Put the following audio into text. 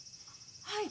はい。